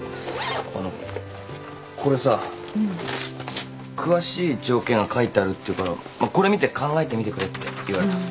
あのこれさ詳しい条件が書いてあるっていうからまあこれ見て考えてみてくれって言われた。